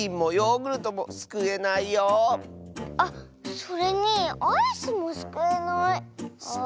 あっそれにアイスもすくえない。